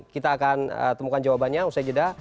kita akan temukan jawabannya usai jeda